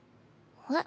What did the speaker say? えっ？